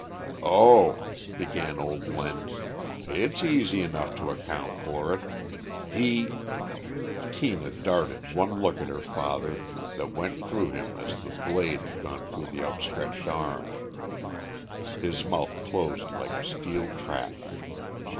"Oh," began old Lenz, "it's easy enough to account for it. He " Tina darted one look at her father that went through him as the blade had gone through the outstretched arm. His mouth closed like a steel trap.